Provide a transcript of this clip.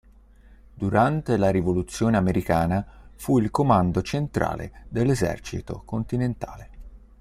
Durante la rivoluzione americana fu il comando centrale dell'esercito continentale.